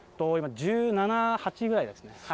今１７１８ぐらいですね。